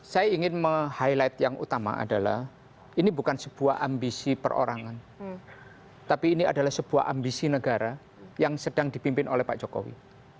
saya ingin meng highlight yang utama adalah ini bukan sebuah ambisi perorangan tapi ini adalah sebuah ambisi negara yang sedang dipimpin oleh pak jokowi